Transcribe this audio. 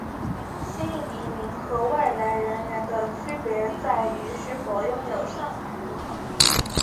新移民和外来人员的区别在于是否拥有上海户口。